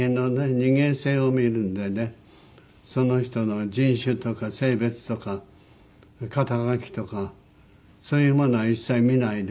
人間性を見るんでねその人の人種とか性別とか肩書とかそういうものは一切見ないで。